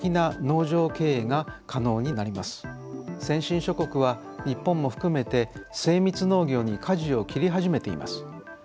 先進諸国は日本も含めて精密農業にかじを切り始めています。